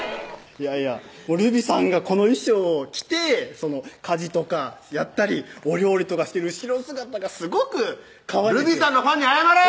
いやいやるびぃさんがこの衣装を着て家事とかやったりお料理とかしてる後ろ姿がすごくかわいくてるびぃさんのファンに謝れ！